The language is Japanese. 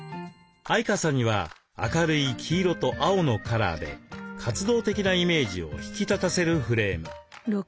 相川さんには明るい黄色と青のカラーで活動的なイメージを引き立たせるフレーム。